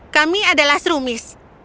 kami adalah serumis